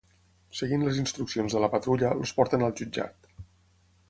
Seguint les instruccions de la Patrulla, els porten al jutjat.